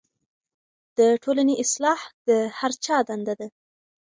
د ټولنې اصلاح د هر چا دنده ده.